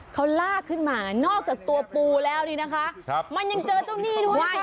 เขาลากขึ้นมานอกจากตัวปูแล้วนี่นะคะมันยังเจอเจ้าหนี้ด้วย